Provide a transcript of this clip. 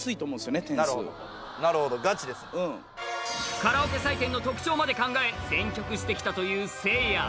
カラオケ採点の特徴まで考え選曲してきたというせいや。